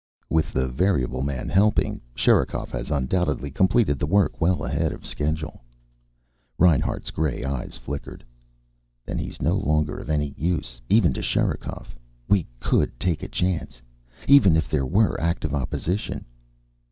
"With the variable man helping, Sherikov has undoubtedly completed work well ahead of schedule." Reinhart's gray eyes flickered. "Then he's no longer of any use even to Sherikov. We could take a chance.... Even if there were active opposition...."